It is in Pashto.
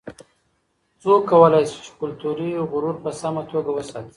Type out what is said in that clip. څوک کولای سي چې کلتوري غرور په سمه توګه وساتي؟